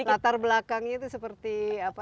latar belakangnya itu seperti apa